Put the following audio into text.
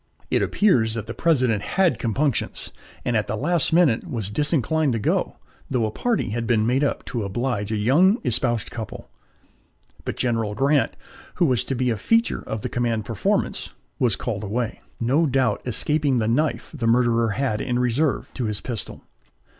It appears that the President had compunctions, and at the last moment was disinclined to go, though a party had been made up to oblige a young espoused couple; but General Grant, who was to be a feature of the commanded performance, was called away no doubt escaping the knife the murderer had in reserve to his pistol.